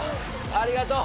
ありがとう。